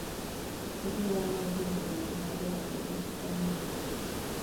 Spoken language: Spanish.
Es un Gran Maestro Internacional de ajedrez ucraniano.